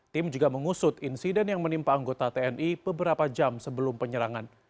tim juga mengusut insiden yang menimpa anggota tni beberapa jam sebelum penyerangan